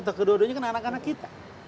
karena kedua duanya kan anak anak kita